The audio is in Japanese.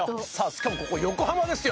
しかもここ横浜ですよ。